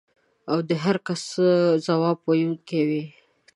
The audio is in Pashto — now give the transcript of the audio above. او هر کس ځواب ویونکی وي.